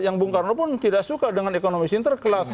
yang bunga bunga pun tidak suka dengan ekonomi sinterkelas